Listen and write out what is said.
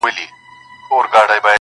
په وروستي پړاؤ کي پایلي ته رسيږي